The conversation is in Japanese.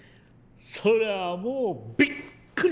そりゃもうびっくりしました！